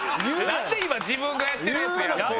なんで今自分がやってるやつ。